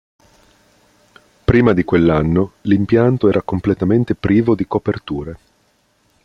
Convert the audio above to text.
Prima di quell'anno, l'impianto era completamente privo di coperture.